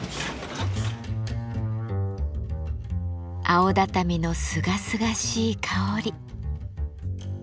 青畳のすがすがしい香り。